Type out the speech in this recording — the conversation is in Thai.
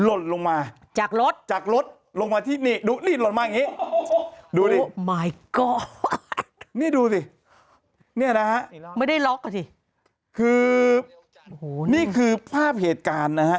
ลดลงมาจากรถลงมาที่นี่ลดมาอย่างนี้ดูสินี่ดูสินี่นะฮะคือนี่คือภาพเหตุการณ์นะฮะ